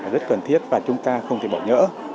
rất cần thiết và chúng ta không thể bỏ nhỡ